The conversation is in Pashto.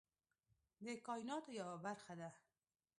د کایناتو یوه برخه ده.